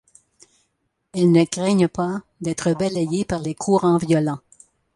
Elles ne craignent pas d'être balayées par les courants violents.